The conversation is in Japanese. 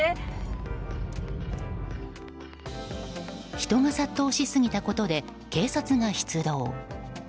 人が殺到しすぎたことで警察が出動。